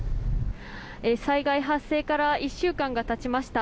災害発生から１週間がたちました。